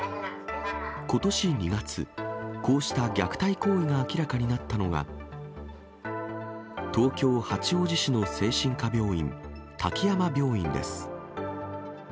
ことし２月、こうした虐待行為が明らかになったのは、東京・八王子市の精神科病院、滝山病院です。